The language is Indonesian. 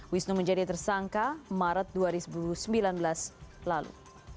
wisnu menjadi tersangka maret dua ribu sembilan belas lalu